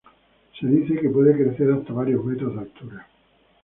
Se dice que puede crecer hasta varios metros de altura.